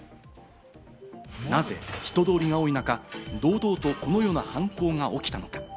なぜ人通りが多い中、堂々とこのような犯行が起きたのか？